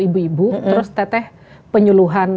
ibu ibu terus teteh penyuluhan